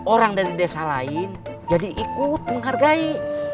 orang dari desa lain jadi ikut menghargai